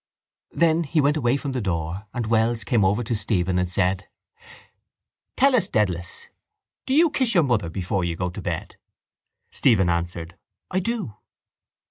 Then he went away from the door and Wells came over to Stephen and said: —Tell us, Dedalus, do you kiss your mother before you go to bed? Stephen answered: —I do.